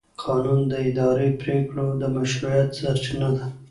قانون د اداري پرېکړو د مشروعیت سرچینه ده.